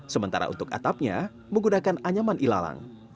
sementara untuk atapnya menggunakan anyaman ilalang